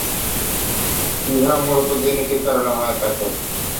ইহা মূলত জেনেটিক কারণে হয়ে থাকে।